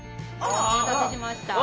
お待たせしました。